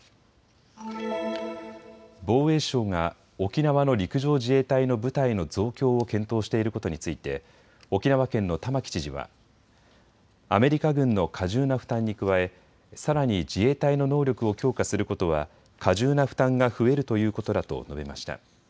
防衛省が沖縄の陸上自衛隊の部隊の増強を検討していることについて沖縄県の玉城知事はアメリカ軍の過重な負担に加えさらに自衛隊の能力を強化することは過重な負担が増えるということだと述べました。